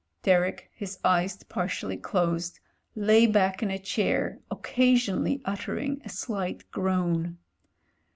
Derek, his eyes par tially closed, lay back in a chair, occasionally uttering a slight groan.